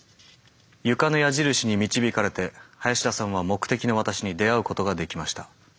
床の矢印に導かれて林田さんは目的の私に出会うことができました。